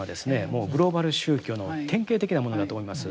もうグローバル宗教の典型的なものだと思います。